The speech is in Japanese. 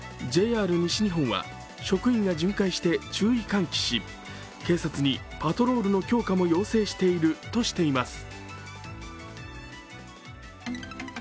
ＪＲ西日本は職員が巡回して注意喚起し、警察にパトロールの強化も要請しているとしています。